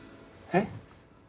えっ？